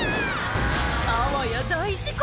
あわや大事故！